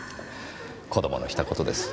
子供のした事です。